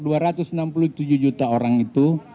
dari dua ratus enam puluh tujuh juta orang itu